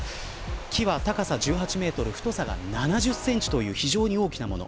木は高さ１８メートル太さが７０センチという非常に大きなもの。